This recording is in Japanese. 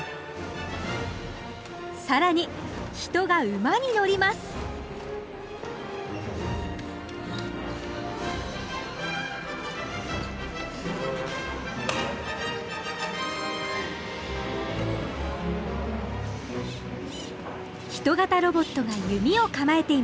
更に人が馬に乗ります人型ロボットが弓を構えています。